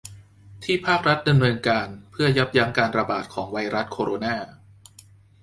ที่ภาครัฐดำเนินการเพื่อยับยั่งการระบาดของไวรัสโคโรนา